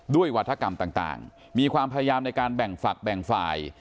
วัฒกรรมต่างมีความพยายามในการแบ่งฝักแบ่งฝ่าย